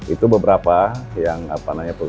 itu beberapa yang nanya